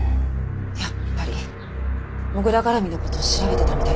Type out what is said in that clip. やっぱり土竜絡みの事調べてたみたいですね。